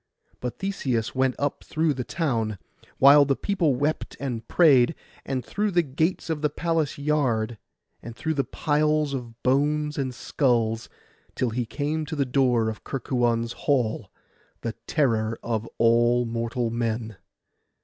But Theseus went up through the town, while the people wept and prayed, and through the gates of the palace yard, and through the piles of bones and skulls, till he came to the door of Kerkuon's hall, the terror of all mortal men.